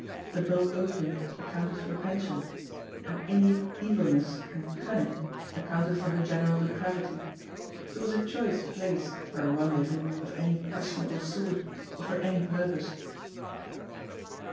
The bulk opium accounted for the pension ; an innate evilness and cunning accounted for her general depravity. It was a choice place for a rendezvous of any questionable sort, or for any purpose